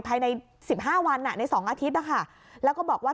ใช้ในสิบห้าวันอ่ะในสองอาทิตย์นะคะแล้วก็บอกว่า